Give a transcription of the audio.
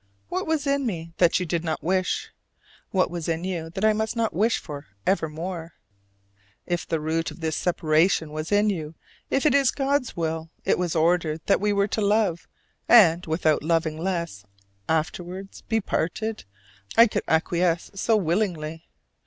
What was in me that you did not wish? What was in you that I must not wish for evermore? If the root of this separation was in you, if in God's will it was ordered that we were to love, and, without loving less, afterwards be parted, I could acquiesce so willingly.